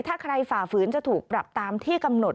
ถ้าใครฝ่าฝืนจะถูกปรับตามที่กำหนด